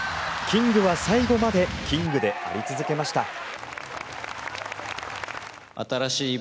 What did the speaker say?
キングは最後までキングであり続けました。